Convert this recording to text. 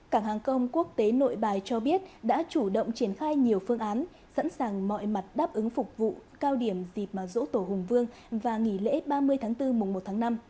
cảng hàng không quốc tế nội bài cho biết đã chủ động triển khai nhiều phương án sẵn sàng mọi mặt đáp ứng phục vụ cao điểm dịp dỗ tổ hùng vương và nghỉ lễ ba mươi tháng bốn mùng một tháng năm